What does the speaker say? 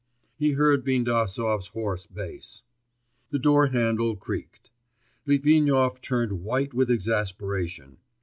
he heard Bindasov's hoarse bass. The door handle creaked. Litvinov turned white with exasperation.